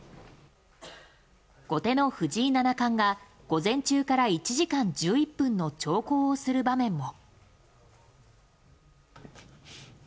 後手の藤井七冠が午前中から１時間１１分の長考をする場面も。